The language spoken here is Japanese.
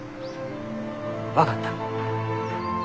分かった。